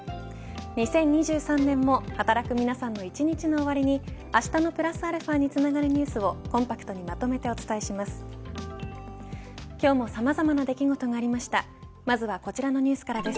２０２３年も働く皆さんの一日の終わりにあしたのプラスαにつながるニュースをコンパクトにまとめてお伝えします。